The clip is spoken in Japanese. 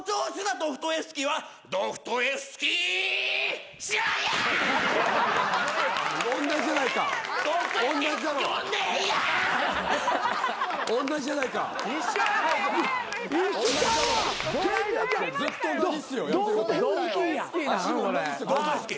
ドストエフスキー。